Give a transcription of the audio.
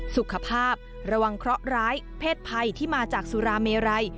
สุขภาพระวังเคราะห์ร้ายเพศภัยที่มาจากสุราเมไร